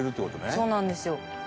そうなんですよ。